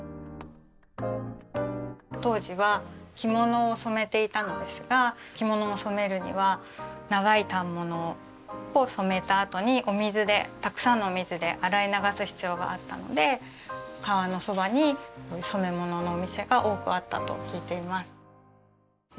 当時は着物を染めていたのですが着物を染めるには長い反物を染めたあとにお水でたくさんのお水で洗い流す必要があったので川のそばに染め物のお店が多くあったと聞いています。